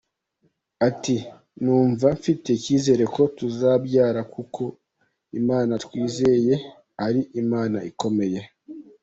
Ati “Numva mfite icyizere ko tuzabyara kuko Imana twizeye ari Imana ikomeye.